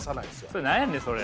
それ何やねんそれ。